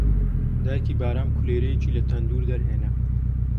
دایکی بارام کولێرەیەکی لە تەندوور دەرهێنا